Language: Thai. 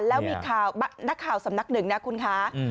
แล้วมีข่าวนักข่าวสำนักหนึ่งนะคุณคะ